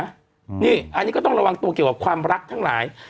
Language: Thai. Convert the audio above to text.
อันนี้ก็ต้องระวังตัวเกี่ยวกับความรักทั้งหลาย